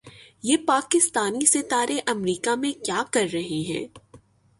یہ پاکستانی ستارے امریکا میں کیا کررہے ہیں